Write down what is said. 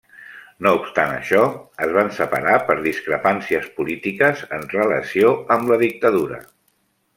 No obstant això, es van separar per discrepàncies polítiques en relació amb la dictadura.